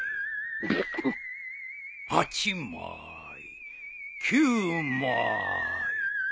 「８まい９まい」